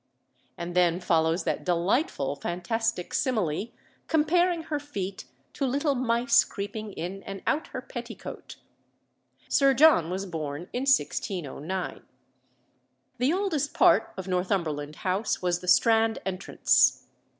And then follows that delightful, fantastic simile, comparing her feet to little mice creeping in and out her petticoat. Sir John was born in 1609. The oldest part of Northumberland House was the Strand entrance.